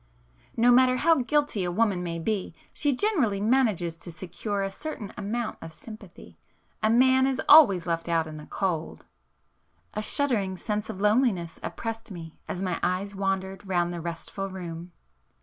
No matter how guilty a woman may be, she generally manages to secure a certain amount of sympathy,—a man is always left out in the cold." A shuddering sense of loneliness oppressed me as my eyes wandered round the restful room.